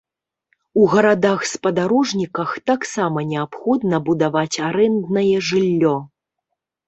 У гарадах-спадарожніках таксама неабходна будаваць арэнднае жыллё.